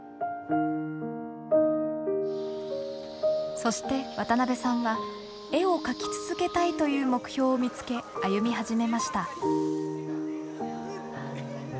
そして渡さんは絵を描き続けたいという目標を見つけ歩み始めました。